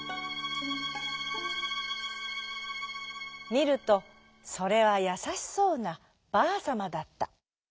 みるとそれはやさしそうなばあさまだった。